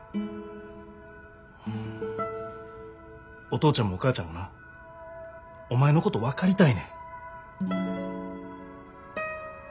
お父ちゃんもお母ちゃんもなお前のこと分かりたいねん。